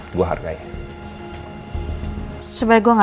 sobat gue gak tega melihat lo kepanas di depan gerbang mir